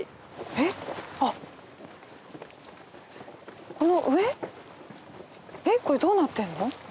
えっこれどうなってるの？